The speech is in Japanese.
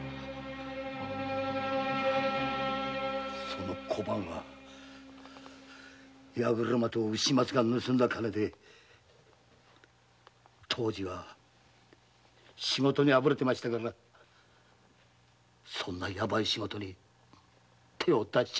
その小判は八車と牛松が盗んだ金で藤次は仕事にあぶれてましたからそんなヤバイ仕事に手を出しちまったんです。